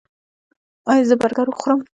ایا زه برګر وخورم؟